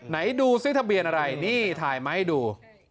ไหนดูซิทะเบียนอะไรนี่ถ่ายมาให้ดู